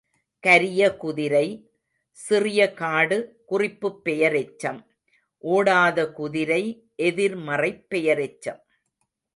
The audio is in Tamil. கரிய குதிரை, சிறிய காடு குறிப்புப் பெயரெச்சம், ஓடாத குதிரை எதிர் மறைப் பெயரெச்சம்.